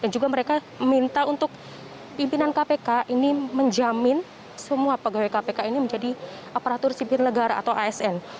dan juga mereka minta untuk pimpinan kpk ini menjamin semua pegawai kpk ini menjadi aparatur sipir negara atau asn